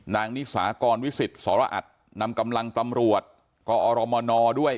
นิสากรวิสิตสรอัตนำกำลังตำรวจกอรมนด้วย